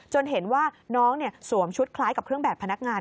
เห็นว่าน้องสวมชุดคล้ายกับเครื่องแบบพนักงาน